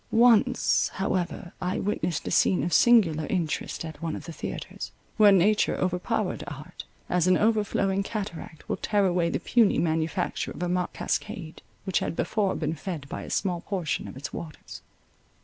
Once however I witnessed a scene of singular interest at one of the theatres, where nature overpowered art, as an overflowing cataract will tear away the puny manufacture of a mock cascade, which had before been fed by a small portion of its waters.